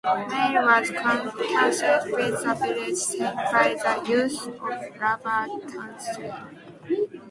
Mail was cancelled with the village's name by the use of a rubber canceller.